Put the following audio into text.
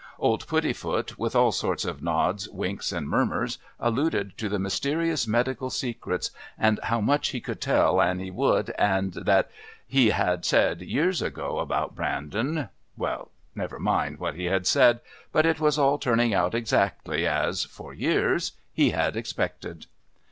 Old Puddifoot, with all sorts of nods, winks and murmurs, alluded to mysterious medical secrets, and "how much he could tell an' he would," and that "he had said years ago about Brandon...." Well, never mind what he had said, but it was all turning out exactly as, for years, he had expected.